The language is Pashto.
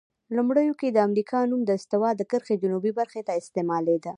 لومړیو کې د امریکا نوم د استوا د کرښې جنوب برخې ته استعمالیده.